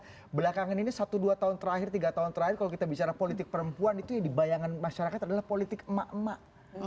karena belakangan ini satu dua tahun terakhir tiga tahun terakhir kalau kita bicara politik perempuan itu yang dibayangkan masyarakat adalah politik emak emak